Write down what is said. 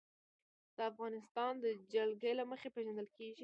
افغانستان د جلګه له مخې پېژندل کېږي.